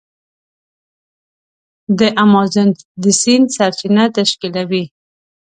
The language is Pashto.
د امازون د سیند سرچینه تشکیلوي.